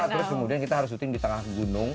terus kemudian kita harus syuting di tengah gunung